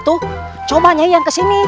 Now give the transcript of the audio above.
tuh coba nyanyi yang kesini